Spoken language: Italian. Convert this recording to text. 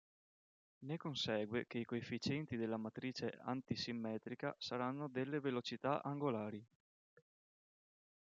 Ne consegue che i coefficienti della matrice antisimmetrica saranno delle velocità angolari.